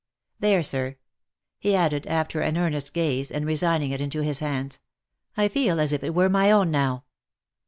There, sir," he added, after an earnest gaze, and resigning it into his hands; " I feel as if it were my own now."